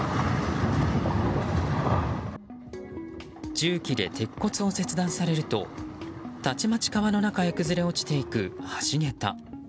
重機で鉄骨を切断されるとたちまち、川の中へ崩れ落ちていく橋桁。